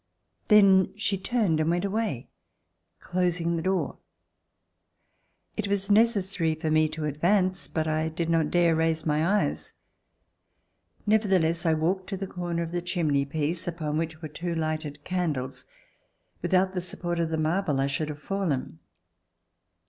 Then she turned and went away, closing the door. It was necessary for me to advance, but I did not dare to raise my eyes. Nevertheless, I walked to the corner of the chimney piece, upon which there were two lighted candles. Without the support of the marble I should have fallen.